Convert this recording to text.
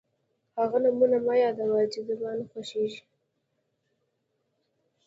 هغه نومونه مه یادوه چې زما نه خوښېږي.